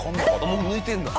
もう抜いてるんだ。